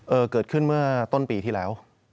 เกิดขึ้นเมื่อต้นปีที่แล้ว